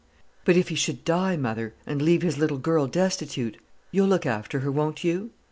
But if he should die, mother, and leave his little girl destitute, you'll look after her, won't you?"